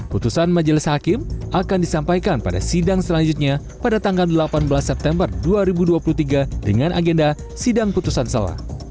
putusan majelis hakim akan disampaikan pada sidang selanjutnya pada tanggal delapan belas september dua ribu dua puluh tiga dengan agenda sidang putusan selah